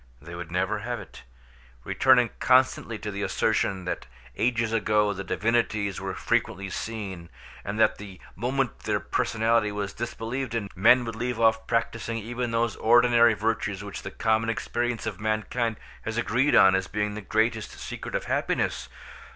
They would never have it; returning constantly to the assertion that ages ago the divinities were frequently seen, and that the moment their personality was disbelieved in, men would leave off practising even those ordinary virtues which the common experience of mankind has agreed on as being the greatest secret of happiness.